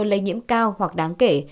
lây nhiễm cao hoặc đáng kể